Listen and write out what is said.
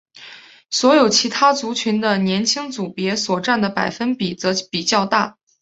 所有其他族群的年轻组别所占的百分比则比较大。